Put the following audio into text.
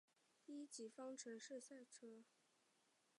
一级方程式赛车的商业权利由世界一级方程式锦标赛公司控制。